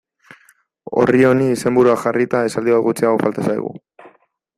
Orri honi izenburua jarrita, esaldi bat gutxiago falta zaigu.